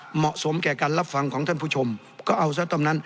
เหมาะสมแก่การรับฟังของท่านผู้ชมก็เอาซะตอนนั้น